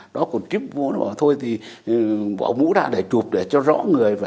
đó còn kiếp bố nó bảo thôi thì bỏ mũ ra để chụp để cho rõ người